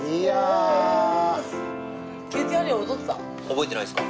覚えてないですか？